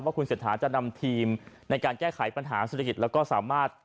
คุณเศรษฐาจะนำทีมในการแก้ไขปัญหาเศรษฐกิจแล้วก็สามารถ